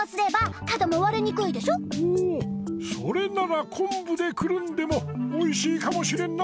おぉそれならこんぶでくるんでもおいしいかもしれんな！